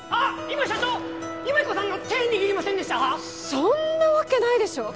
今社長優芽子さんの手握りませんでした？